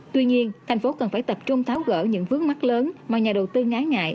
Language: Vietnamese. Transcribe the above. tuy nhiên thành phố cần phải tập trung tháo gỡ những vướng mắt lớn mà nhà đầu tư ngán ngại